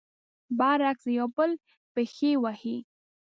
برعکس، د يو بل پښې وهي.